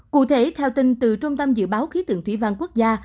cụ thể theo tin từ trung tâm dự báo khí tượng thủy văn quốc gia